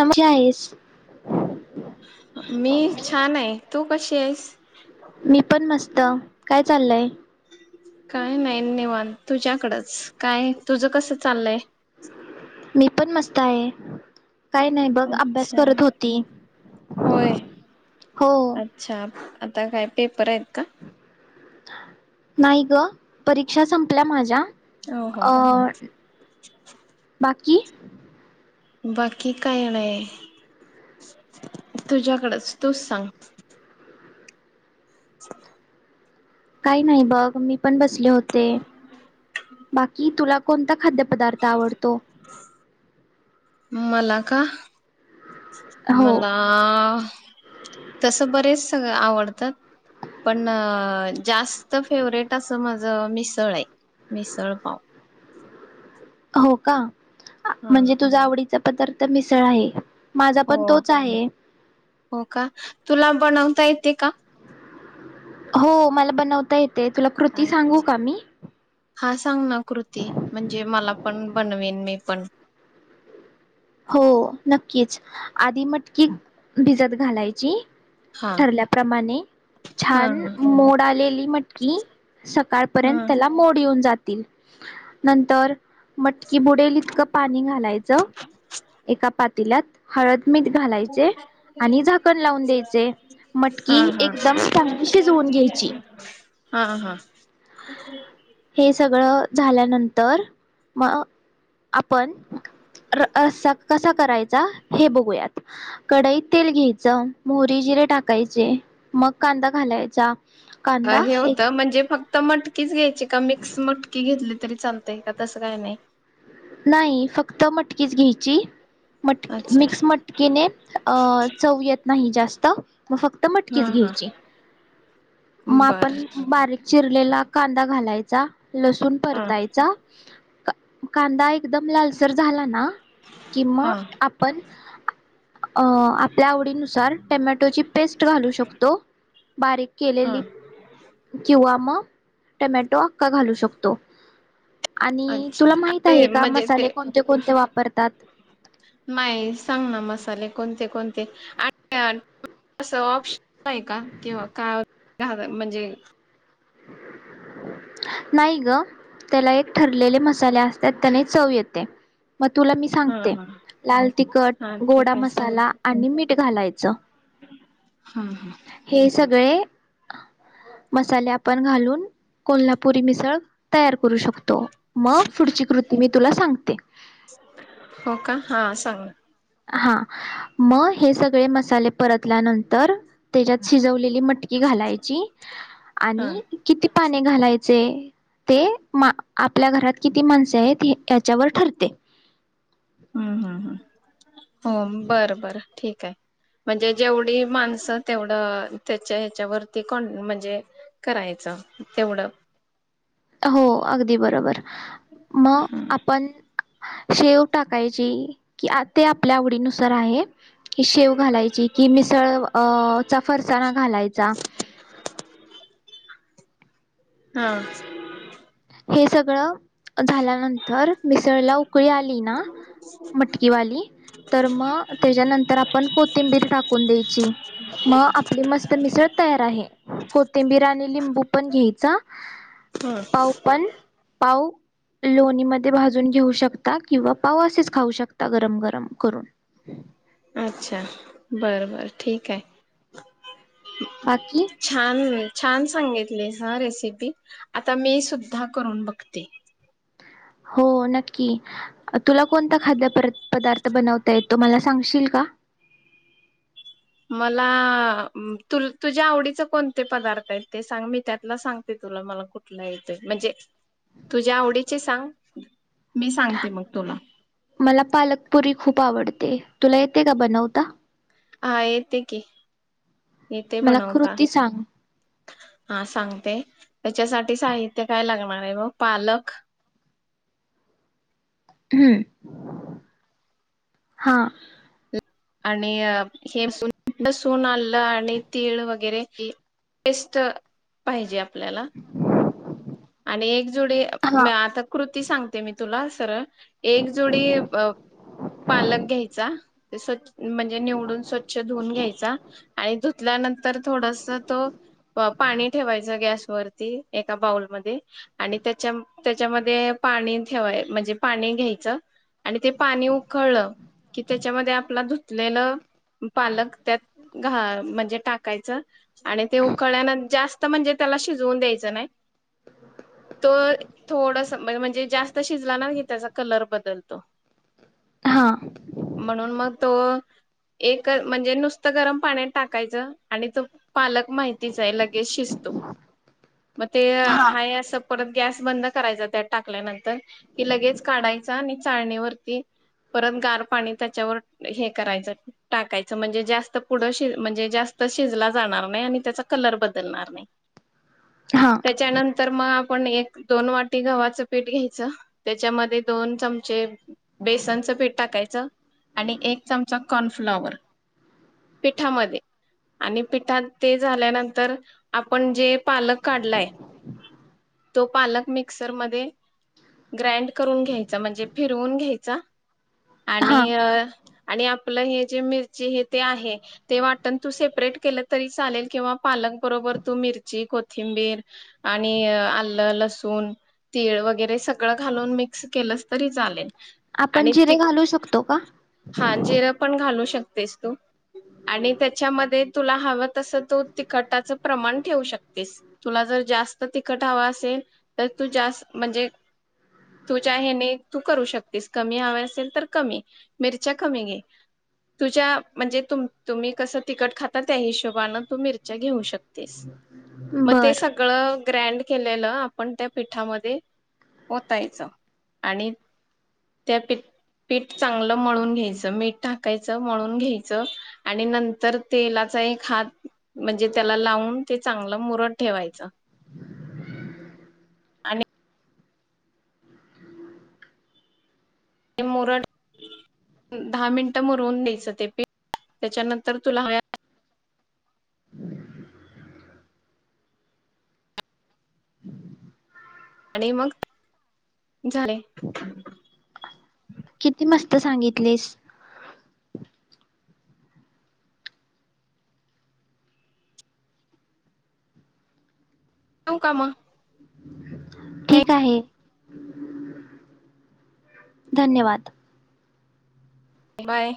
आहेस मी छान आहे तू कशी आहेस मी पण मस्त काय चाललय काय नाही निवांत तुझ्याकडच काय तुझं कस चाललय? त पण मस्त आहे. काही नाही बघ अभ्यास अच्छा करत होती होय हो. अच्छा आता काय पेपर आहेत. का? नाही ग परीक्षा संपल्या माझ्या हो हो अ बाकी की. बाकी काय नाही तुझ्याकडेच तूच सांग [unintelligible] काही नाही बघ मी पण बस होते बाकी तुला कोणता खाद्य प पदार्थ आवडतो‌. मला का? हो मला तस बरेच सगळं आवडत पण जास्त फेवरेट असं माझ मिसळ आहे मिसळ पाव हो का? हा. म्हणजे तुझ्या आवडीच पदार्थ मिसळ आहे. माझा हो पण तोच आहे हो का तुला बनवता य ते का हो मला बनवता येत. ते तुला कृती सांगू का मी हां सांग ना कृती म्हणजे मला पण बनवीन मी पण हो नक्कीच आधी मटकी भिजत घालायची. हा ठरल्याप्रमाणे हा छान मोड आलेली मटकी हा सकाळपर्यंत त्याला मोड येऊन जात तील नंतर मटकी बुडेल इतकं पाणी घालायचं. एका पातील्यात हळद मीठ घालायचे आणि झाकण लावून द्यायचे. हा हा मटकी एकदम चांगली शिजवून घ्यायची. हा हा ह हे सगळं झाल्यानंतर मग आपण र रस्सा कसा करायचा हे बघूयात. कडईत तेल घ्यायचं मोहरी, जिरे टाकायचे मग कांदा घालायचा. अ कांदा हे होतं म्हणजे फक्त आता मटकीच घ्यायची का मिक्स मटकी घेतली तरी चालतय? का तसं काय नाही. नाही फक्त मटकीच घ्यायची. मट अच्छा मिक्स मटकीेने अ चव येत नाही जास्त त मग फक्त हा मटकीच हा घ्यायची मग बर आपण बारीक चि आपल्याला कांदा घालायचा. लसूण हा परतायचा. का- कांदा एकदम लालसर झाला ना कि मग हा आपण अ आपल्या आवडीनुसार टमॅटोची पेस्ट घालू शकतो. बारीक हा केलेली किंवा मग टमॅटो अक्का घालू शकतो आणि अच्छा तुला माहिती अरे आहे का म्हणजे मसाले ते कोणते कोणते वापरतात? नाही सांग ना कोणते कोणते ऑप्शन आहे का किं का घ म्हणजे? नाही ग, त्याला एक ठरलेले मसाले असतात त्याने चव येते. मग तुला मी हा सांगते, हा लाल तिखट, हा गोडा ठीक आहे सांग मसाला आणि मिठ. घालायचं. हं, हं. हे सगळे. मसाले पण घालून, कोल्हापुरी मिसळ. तयार करू शकतो, मग पुढची कृती तुला सांगते. हो का हा सांग. हा, मग हे सगळे मसाले परतल्यानंतर त्याच्यात शिजवलेली मट की घालायची हा आणि [unintelligible] पाणी घालायचे, ते आपल्या घरात किती माणसे आहेत याच्यावर ठरते. हम् हम् हम्. हो बर बर. ठीक आहे. म्हणजे जेवढी माणसं, तेवढं त्याच्या ह्याच्यावरती कोण म्हणजे करायचं तेवढं. हो अगदी बरोबर. मग आपण शेव टाकायची, की आ ते आपल्या आवडीनुसार आहे. की शेव घालायची, की मिसळ अ चा फरसाणा घालायचा? हा. हे सगळं झाल्यानंतर मिसळला उकळी आली ना मटकीवाली, तर मग त्याच्यानंतर आपण कोथिंबीर टाकून द्यायची. मग आपली मस्त मिसळ तयार आहे. कोथिंबीर आणि लिंबू पण घ्यायचा. हो. पाव पण पाव लोणीमध्ये भाजून घेऊ शकता किंवा पाव असेच खाऊ शकता गरम गरम करून. अच्छा, बर बर. ठीक आहे. बाकी छान होई. छान सांगितलीस हं रेसिपी, आता मीसुद्धा करून बघते. हो नक्की, तुला कोणता खाद्यपर पदार्थ बनवता येतो, मला सांगशील का? मला तु तुझ्या आवडीचं कोणते पदार्थ आहेत, ते सांग? मी त्यातला सांगते तुला, मला कुठला येतंय. म्हणजे तुझ्या आवडीचे सांग. मी सांगते मग तुला मला पालकपुरी खू प आवडते. तुला येतंय का बनवता? हां येतंय की. येते मला बनवता कृती सांग. हा सांगते, त्याच्यासाठी साहित्य काय लागणार आहे बग, पालक हम्म. हा. आणि हे सून लसूण, आल्लं आणि तीळ वगैरेची पेस्ट पाहिजे आप ल्याला. आणि एकजुडी हा मी आता कृती सांगते, मी तुला सरळ एक जोडी अ पालक घ्यायचा. ते स्व म्हणजे निवडून, स्वच्छ धुवून घ्यायचा आणि धुतल्यानं तर थोडसं तो प पाणी ठेवायचा गॅसवरती, एका बाऊलम ध्ये आणि त्याच्या त्याच्यामध्ये पाणी ठेवाय म्हणजे पाणी घ्यायचं आणि ते पाणी उकळलं, की त्याच्यामध्ये आपला धुतलेलं पालक त्यात घा म्हणजे टाकायचं आणि ते उकळल्यान जास्त म्हणजे त्याला शिजवून द्यायचं नाय. तो थोडसं मन म्हणजे जास्त शिजला ना, की त्याचा कलर बदलतो. हा म्हणून, मग तो एक म्हणजे नुसतं गरम पाण्यात टाकायचं. आणि तो पालक माहितीच आहे लगेच शिजतो. म ते हा हाय असं परत गॅस बंद करायच त्यात टाकल्यानंतर कि लगेच काढायच. आणि चाळणीवरती परत गार पाणी त्याच्यावर हे करायचं टाकायचं म्हणजे जास्त पुढं श म्हणजे जास्त शिजला जाणार नाही. आणि त्याचा कलर बदलणार नाही. हा. तर मग आपण एक दोन वाटी गव्हाचं पीठ घ्यायचं. त्याच्यामध्ये दोन चमचे बेसनचं पीठ टाकायचं आणि एक चमचा कॉर्नफ्लॉवर पिठामध्ये आणि पिठात ते झाल्यानंतर आपण जे पालक काढलाय तो पालक मिक्सर मध्ये ग्रँड करून घ्यायचा म्हणजे फिरवून घ्यायचा. हा आणि अ आणि आपलं हे जे मिरची हे ते आहे ते वाटण तू सेपरेट केलं तरी चालेल किंवा पालक बरोबर तू मिरची, कोथिंबीर आणि आलं, लसूण, तीळ वगैरे सगळं घालून मिक्स केलंस तरी चालेल. आपण आणि त जिरे घालू शकतो का? हा जिर पण घालू शकत [unintelligible] आणि त्याच्यामध्ये तुला हवं तस तू तिखटाच प्रमाण ठेवू शकतेस तुला जर जास्त तिखट हवा असेल तर तू जास् म्हणजे तुझ्या हेने तू करू शकतेस कमी हवे असेल तर कमी मिरच्या कमी घे तुझ्या म्हणजे तु तुम्ही कसं तिखट खाता त्या हिशोबने तू मिरच्या घेऊ शकतेस. म ते बर सगळं ग्रँड केलेलं आपण त्या पिठामध्ये ओतायचं आणि त्या पठ पीठ चांगलं मळून घ्यायचं. मीठ टाकायचं मळून घ्यायचं आणि नंतर तेलाचा एक हात म्हणजे त्याला लावून ते चांगलं मुरत ठेवायचं. आणि ते मुरड दहा मिनिटं मुरवून द्यायचं ते पी त्याच्यानंतर तुला ह आणि मग झाले किती मस्त सांगितलीस ठेवू का मग? ठीक आहे. धन्यवाद. बाय,